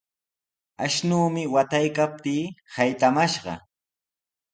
Ashnumi wataykaptii saytamashqa.